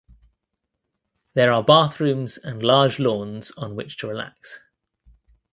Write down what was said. There are bathrooms and large lawns on which to relax.